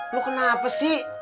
lo kenapa sih